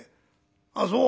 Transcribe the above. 「あっそう。